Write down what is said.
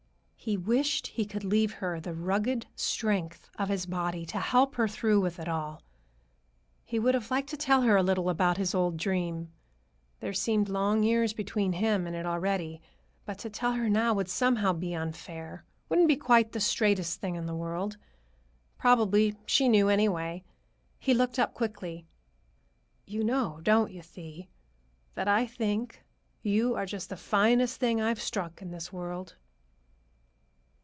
He wished he could leave her the rugged strength of his body to help her through with it all. He would have liked to tell her a little about his old dream,—there seemed long years between him and it already,—but to tell her now would somehow be unfair; wouldn't be quite the straightest thing in the world. Probably she knew, anyway. He looked up quickly. "You know, don't you, Thee, that I think you are just the finest thing I've struck in this world?"